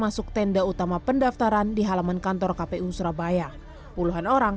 bahkan ratusan orang pendukung pasangan eri cahyadi dan wisnu sakti buwana